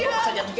gak ada apa sih